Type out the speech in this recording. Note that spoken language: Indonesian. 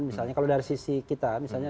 misalnya kalau dari sisi kita misalnya